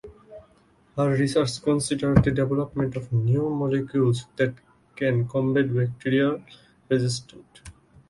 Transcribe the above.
Her research considers the development of new molecules that can combat bacterial resistance.